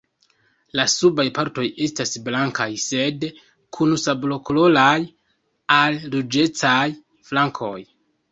La subaj partoj estas blankaj, sed kun sablokoloraj al ruĝecaj flankoj.